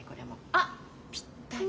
あっぴったり。